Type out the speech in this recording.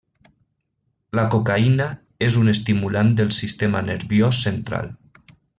La cocaïna és un estimulant del sistema nerviós central.